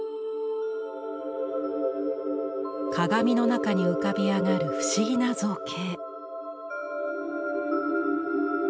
鏡の中に浮かび上がる不思議な造形。